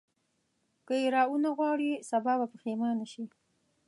که یې راونه غواړې سبا به پښېمانه شې.